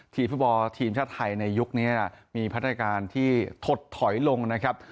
ฟุตบอลทีมชาติไทยในยุคนี้มีพัฒนาการที่ถดถอยลงนะครับ